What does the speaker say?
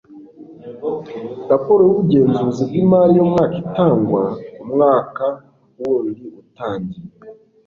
raporo y'ubugenzuzi bw imari y'umwaka itangwa umwaka wundiutangiye